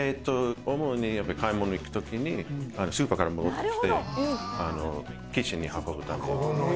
主に買い物行く時にスーパーから戻ってきてキッチンに運ぶため。